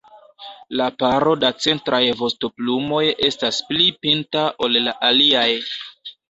La paro da centraj vostoplumoj estas pli pinta ol la aliaj.